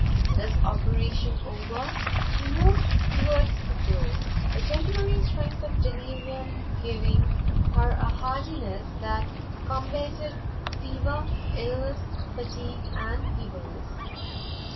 This operation over, she moved towards the door, the temporary strength of delirium giving, her a hardiness that combated fever, illness, fatigue, and feebleness.